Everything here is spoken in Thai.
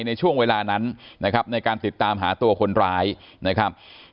ในช่วงเวลานั้นนะครับในการติดตามหาตัวคนร้ายนะครับ